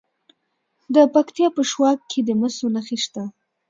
د پکتیا په شواک کې د مسو نښې شته.